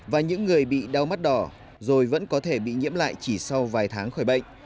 và những người bị đau mắt đỏ rồi vẫn có thể bị nhiễm lại chỉ sau vài tháng khỏi bệnh